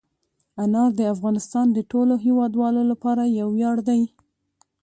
انار د افغانستان د ټولو هیوادوالو لپاره یو ویاړ دی.